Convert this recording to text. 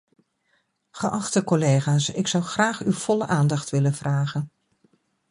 Geachte collega's, ik zou graag uw volle aandacht willen vragen.